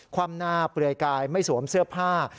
ความหน้าเปลือยกายไม่สวมเสื้อผ้า